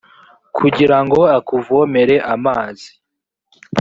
kigirango akuvomere amazi.